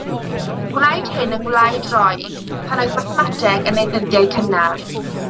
Gwnaed hyn yng Ngwlad Roeg, pan oedd mathemateg yn ei ddyddiau cynnar.